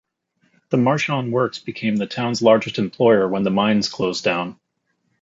The Marchon Works became the town's largest employer when the mines closed down.